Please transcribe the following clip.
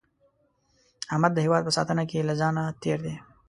احمد د هیواد په ساتنه کې له ځانه تېر دی.